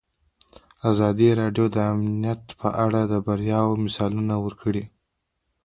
ازادي راډیو د امنیت په اړه د بریاوو مثالونه ورکړي.